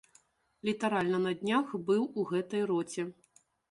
Літаральна на днях быў у гэтай роце.